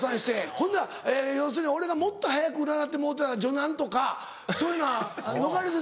ほんなら要するに俺がもっと早く占ってもろうてたら女難とかそういうのは逃れてたんだ。